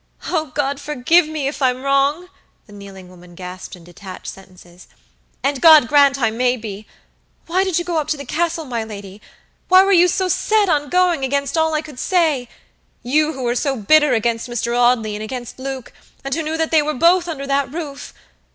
"Oh, God forgive me if I'm wrong!" the kneeling woman gasped in detached sentences, "and God grant I may be. Why did you go up to the Castle, my lady? Why were you so set on going against all I could sayyou who are so bitter against Mr. Audley and against Luke, and who knew they were both under that roof?